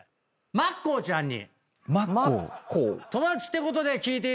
［まっこーちゃんが］